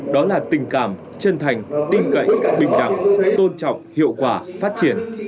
đó là tình cảm chân thành tin cậy bình đẳng tôn trọng hiệu quả phát triển